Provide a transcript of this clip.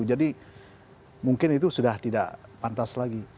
jadi mungkin itu sudah tidak pantas lagi